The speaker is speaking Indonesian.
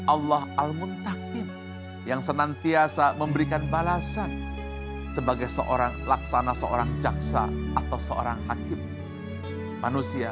allah al mutakin yang senantiasa memberikan balasan sebagai seorang laksana seorang jaksa atau seorang hakim manusia